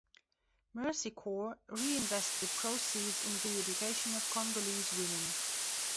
Mercy Corps reinvests the proceeds in the education of Congolese women.